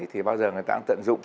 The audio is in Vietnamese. thì bao giờ người ta tận dụng